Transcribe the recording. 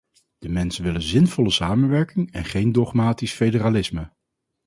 De mensen willen zinvolle samenwerking en geen dogmatisch federalisme.